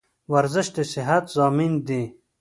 ورزش دصحت ضامن دي.